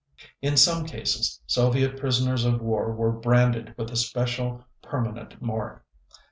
In some cases Soviet prisoners of war were branded with a special permanent mark.